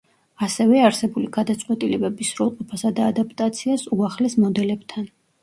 ასევე, არსებული გადაწყვეტილებების სრულყოფასა და ადაპტაციას უახლეს მოდელებთან.